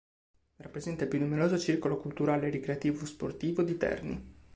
Rappresenta il più numeroso circolo culturale-ricreativo-sportivo di Terni.